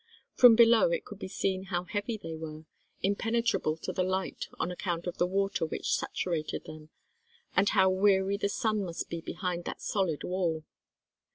From below it could be seen how heavy they were, impenetrable to the light on account of the water which saturated them, and how weary the sun must be behind that solid wall.